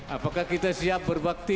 apakah kita siap berbakti